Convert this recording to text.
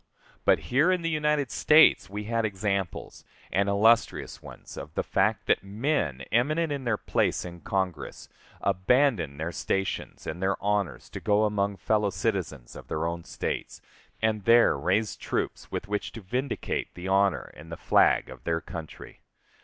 But here in these United States we had examples, and illustrious ones, of the fact that men, eminent in their place in Congress, abandoned their stations and their honors to go among fellow citizens of their own States, and there raise troops with which to vindicate the honor and the flag of their country.